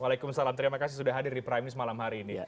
waalaikumsalam terima kasih sudah hadir di prime news malam hari ini